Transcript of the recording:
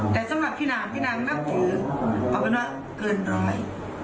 แต่สำหรับพี่นางพี่นางนับถือเอาเป็นว่าเกินร้อย